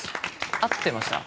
合ってました？